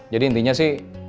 jadi intinya sih